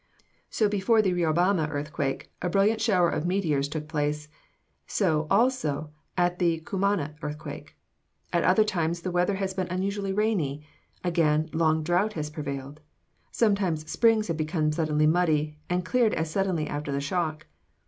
So before the Riobamba earthquake, a brilliant shower of meteors took place; so, also, at the Cumana earthquake. At other times the weather has been unusually rainy; again, long drought has prevailed. Sometimes springs have become suddenly muddy, and cleared as suddenly after the shock.